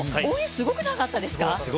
すごくなかったですか。